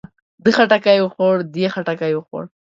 ده خټکی وخوړ. دې خټکی وخوړ.